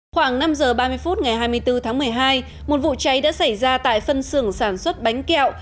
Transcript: khoảng năm giờ ba mươi phút ngày hai mươi bốn tháng một mươi hai một vụ cháy đã xảy ra tại phân xưởng sản xuất bánh kẹo